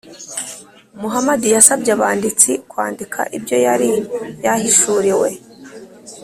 muhamadi yasabye abanditsi kwandika ibyo yari yahishuriwe,